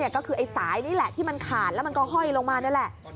ก็คือไอ้สายนี่แหละที่มันขาดแล้วมันก็ห้อยลงมานี่แหละ